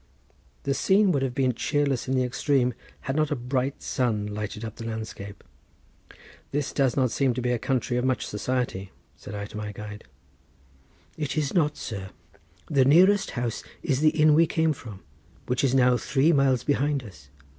The scene would have been cheerless in the extreme had not a bright sun lighted up the landscape. "This does not seem to be a country of much society," said I to my guide. "It is not, sir. The nearest house is the inn we came from, which is now three miles behind us.